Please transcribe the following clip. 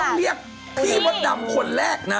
ต้องเรียกพี่บ๊อตดำคนแรกนะ